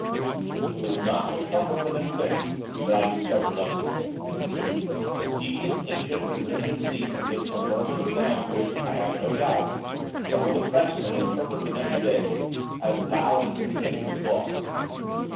It was not till Trumperton had finished that I discovered Lessingham. The tedious ancient resumed his seat amidst a murmur of sounds which, I have no doubt, some of the pressmen interpreted next day as 'loud and continued applause.